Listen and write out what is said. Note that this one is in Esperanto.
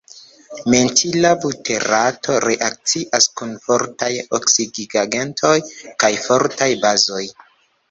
Mentila buterato reakcias kun fortaj oksidigagentoj kaj fortaj bazoj.